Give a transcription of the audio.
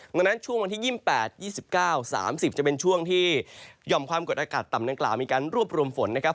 ดังนั้นช่วงวันที่๒๘๒๙๓๐จะเป็นช่วงที่หย่อมความกดอากาศต่ำดังกล่าวมีการรวบรวมฝนนะครับ